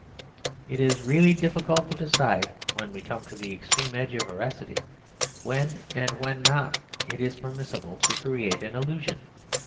It is really difficult to decide when we come to the extreme edge of veracity, when and when not it is permissible to create an illusion.